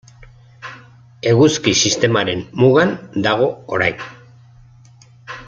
Eguzki Sistemaren mugan dago orain.